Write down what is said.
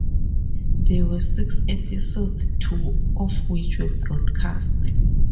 There were six episodes, two of which were broadcast.